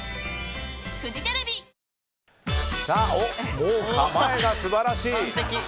もう構えが素晴らしい。